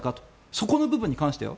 そこの部分に関しては。